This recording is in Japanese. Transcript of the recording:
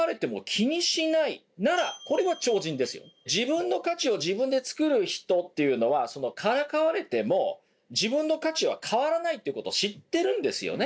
自分の価値を自分で作る人というのはからかわれても自分の価値は変わらないということを知ってるんですよね。